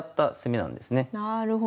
なるほど。